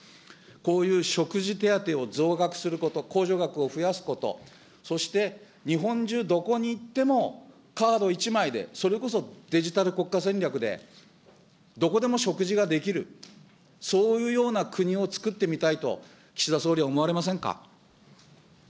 こういう食事手当を増額すること、こうじょ額を増やすこと、そして日本中どこに行っても、カード１枚で、それこそデジタル国家戦略でどこでも食事ができる、そういうような国をつくってみたいと、岸田総理、思われませんか。